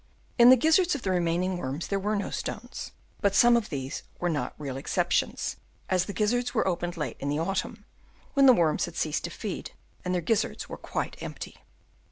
In the gizzards of the remaining worms there were no stones ; but some of these were not real exceptions, as the gizzards were opened late in the autumn, when the worms had ceased to feed and their gizzards were quite empty.